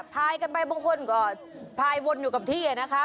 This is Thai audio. พายกันไปบางคนก็พายวนอยู่กับที่นะคะ